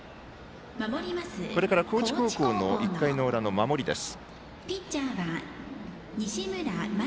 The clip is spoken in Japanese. これから高知高校の１回の裏の守りです。